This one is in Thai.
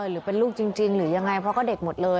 หรือเป็นลูกจริงหรือยังไงเพราะก็เด็กหมดเลย